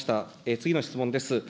次の質問です。